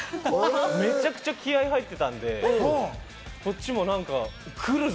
めちゃくちゃ気合い入ってたんで、こっちも何か来るぞ！